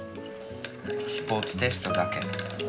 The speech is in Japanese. スポーツテストだけ。